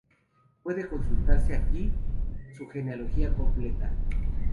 Puede consultarse aquí su genealogía completa.